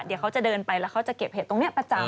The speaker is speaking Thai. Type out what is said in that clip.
เดี๋ยวเขาจะเดินไปแล้วเขาจะเก็บเห็ดตรงนี้ประจำ